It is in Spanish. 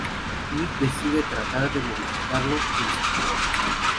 Nick decide tratar de modificarlo en su favor.